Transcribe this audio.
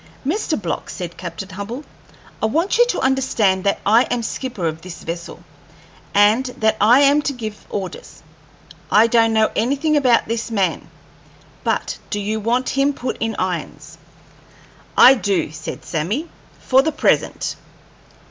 "Mr. Block," said Captain Hubbell, "I want you to understand that I am skipper of this vessel, and that I am to give orders. I don't know anything about this man; but do you want him put in irons?" "I do," said Sammy, "for the present."